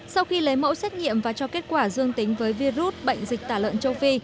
sau khi lấy mẫu xét nghiệm và cho kết quả dương tính với virus bệnh dịch tả lợn châu phi